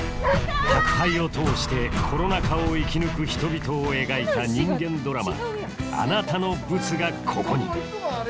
宅配を通してコロナ禍を生き抜く人々を描いた人間ドラマ「あなたのブツが、ここに」